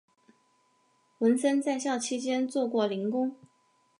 文森在校期间做过零工。